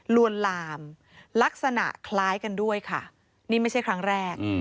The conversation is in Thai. ลวนลามลักษณะคล้ายกันด้วยค่ะนี่ไม่ใช่ครั้งแรก